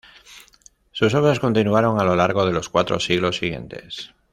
Sus obras continuaron a lo largo de los cuatro siglos siguientes.